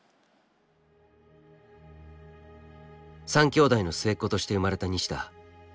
３兄姉の末っ子として生まれた西田。